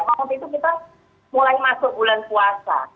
pada waktu itu kita mulai masuk bulan puasa